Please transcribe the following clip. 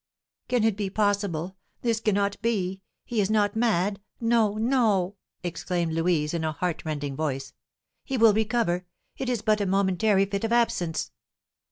"Can it be possible? This cannot be, he is not mad, no, no!" exclaimed Louise, in a heart rending voice. "He will recover, it is but a momentary fit of absence!"